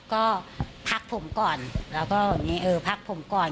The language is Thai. ก็พักผมก่อนแล้วก็พักผมก่อน